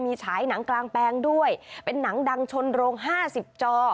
มีฉายหนังกลางแปลงด้วยเป็นหนังดังชนโรง๕๐จอ